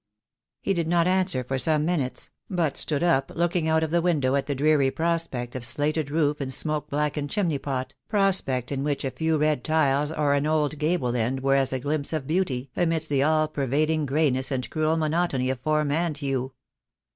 He did not answer for some minutes, but stood up looking out of the window at the dreary prospect of slated roof and smoke blackened chimney pot, prospect in which a few red tiles or an old gable end were as a glimpse of beauty, amidst the all pervading greyness and THE DAY WILL COME. 2 25 cruel monotony of form and hue.